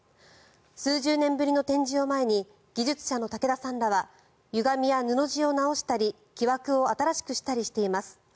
数十年ぶりの展示を前に技術者の武田さんらはゆがみや布地を直したり木枠を新しくしたりしています。